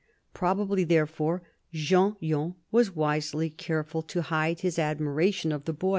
Probably, therefore, Jean Yon was wisely careful to hide his admiration of the boy.